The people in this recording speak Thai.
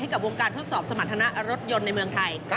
กับวงการทดสอบสมรรถนะรถยนต์ในเมืองไทย